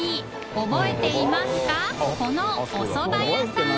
このおそば屋さん个┐